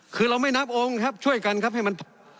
คือเราไม่นับองค์ครับช่วยกันครับให้มัน